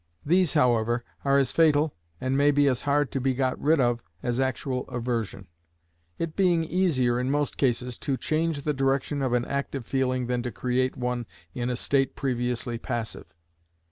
These, however, are as fatal, and may be as hard to be got rid of as actual aversion; it being easier, in most cases, to change the direction of an active feeling than to create one in a state previously passive.